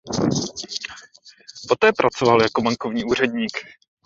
Poté pracoval jako bankovní úředník.